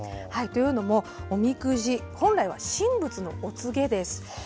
というのもおみくじ本来は神仏のお告げです。